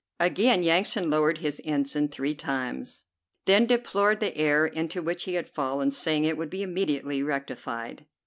Again Yansan lowered his ensign three times, then deplored the error into which he had fallen, saying it would be immediately rectified.